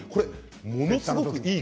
ものすごくいい